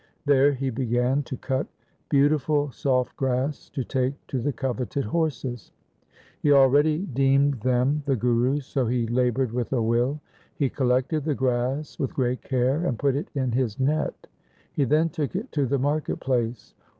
There he began to cut beautiful soft grass to take to the coveted horses. He already deemed i6o THE SIKH RELIGION them the Guru's, so he laboured with a will. He collected the grass with great care and put it in his net. He then took it to the market place.